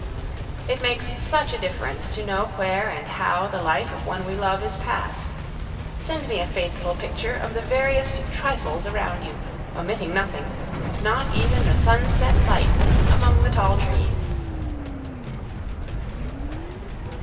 It makes such a difference to know where and how the life of one we love is passed. Send me a faithful picture of the veriest trifles around you, omitting nothing, not even the sunset lights among the tall trees.